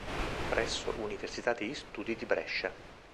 Presso Università degli Studi di Brescia